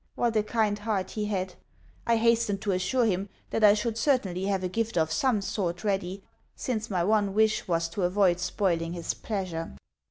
What a kind heart he had! I hastened to assure him that I should certainly have a gift of some sort ready, since my one wish was to avoid spoiling his pleasure.